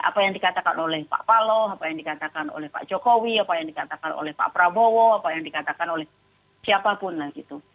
apa yang dikatakan oleh pak paloh apa yang dikatakan oleh pak jokowi apa yang dikatakan oleh pak prabowo apa yang dikatakan oleh siapapun lah gitu